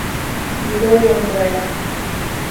Ní dóigh liom go raibh